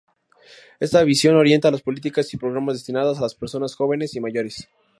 Esta visión orienta las políticas y programas destinadas a las personas jóvenes y mayores.